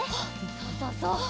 そうそうそう！